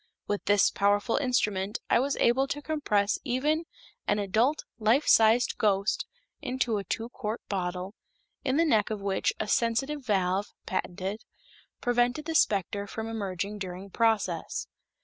With this powerful instrument I was able to compress even an adult life sized ghost into a two quart bottle, in the neck of which a sensitive valve (patented) prevented the specter from emerging during process.